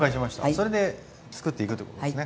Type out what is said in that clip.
それで作っていくってことですね。